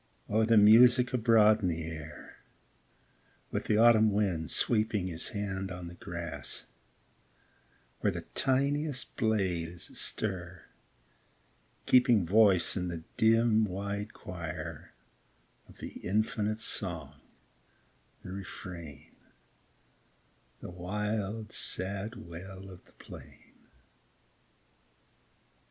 O the music abroad in the air, With the autumn wind sweeping His hand on the grass, where The tiniest blade is astir, keeping Voice in the dim, wide choir, Of the infinite song, the refrain, The wild, sad wail of the plain